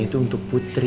itu untuk putri